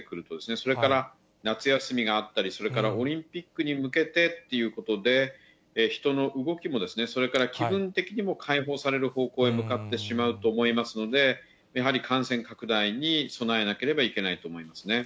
それから夏休みがあったり、それからオリンピックに向けてっていうことで、人の動きも、それから気分的にも開放される方向へ向かってしまうと思いますので、やはり感染拡大に備えなければいけないと思いますね。